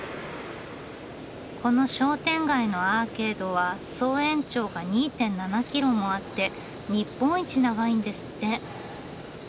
この商店街のアーケードは総延長が２．７キロもあって日本一長いんですって。